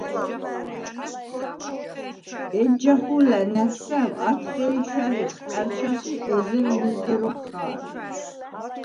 ეჯ ჯახუ̄ლა̈ ნა̈თსა̈ვ ათხე̄ჲ ჩვა̈რიხ ყა̈რჩას ი ეზერ ლიზგე როქვ ხა̄რხ.